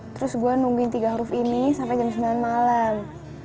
terus gue nungguin tiga huruf ini sampai jam sembilan malam